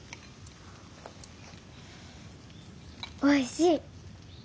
おいしい。